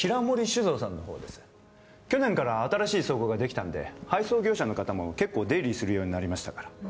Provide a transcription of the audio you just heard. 去年から新しい倉庫ができたんで配送業者の方も結構出入りするようになりましたから。